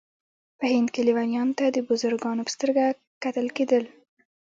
په هند کې لیونیانو ته د بزرګانو په سترګه کتل کېدل.